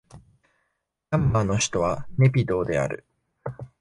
ミャンマーの首都はネピドーである